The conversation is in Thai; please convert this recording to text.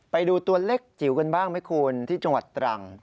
ไปดูตัวเล็กจิ๋วกันบ้างไหมคุณที่จังหวัดตรัง